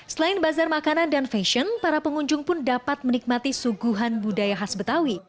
selain bazar makanan dan fashion para pengunjung pun dapat menikmati suguhan budaya khas betawi